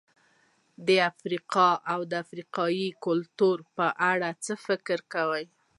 د افریقا او افریقایي کلتور په اړه څه فکر کوئ؟